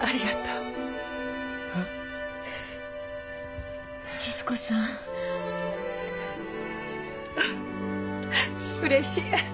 うれしい。